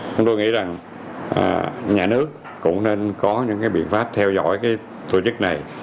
chúng tôi nghĩ rằng nhà nước cũng nên có những biện pháp theo dõi tổ chức này